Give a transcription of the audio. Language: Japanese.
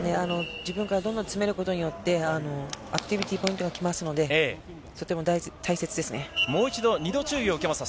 自分からどんどん詰めることによって、アクティビティポイントがきますので、もう一度、２度注意を受けますと。